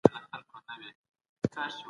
ایا علمي بډاينه د ژوند کيفيت ښه کوي؟